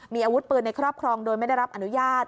มีอาวุธปืนในครอบครองโดยไม่ได้รับอนุญาต